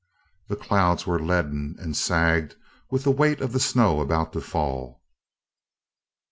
The clouds were leaden and sagged with the weight of snow about to fall.